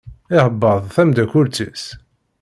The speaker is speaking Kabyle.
Iεebbeḍ tamdakelt-is.